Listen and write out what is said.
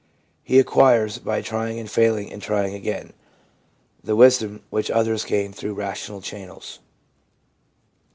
He acquires, by trying and failing and trying again, the wisdom which others gain through rational channels.